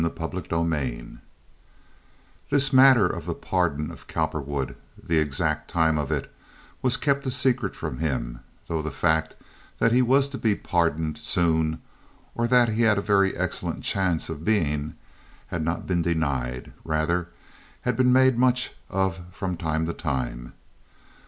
Chapter LVIII This matter of the pardon of Cowperwood, the exact time of it, was kept a secret from him, though the fact that he was to be pardoned soon, or that he had a very excellent chance of being, had not been denied—rather had been made much of from time to time.